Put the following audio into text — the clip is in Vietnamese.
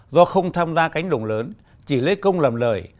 do không tham gia cánh đồng lớn chỉ lấy công làm lời